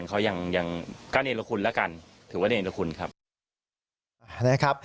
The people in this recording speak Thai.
ก็เนรคุณละกันถือว่าเนรคุณครับ